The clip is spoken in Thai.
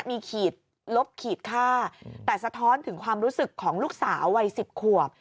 มีขีดลบขีดค่าแต่สะท้อนถึงความรู้สึกของลูกสาววัย๑๐ขวบ